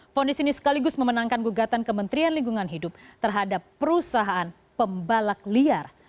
fonis ini sekaligus memenangkan gugatan kementerian lingkungan hidup terhadap perusahaan pembalak liar